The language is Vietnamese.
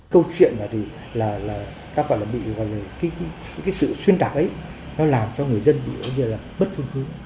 câu chuyện là cái sự xuyên tạp ấy nó làm cho người dân bị bất phương hướng